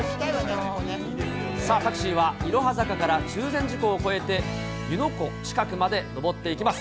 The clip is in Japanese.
さあ、タクシーはいろは坂から中禅寺湖を越えて、湯ノ湖近くまで登っていきます。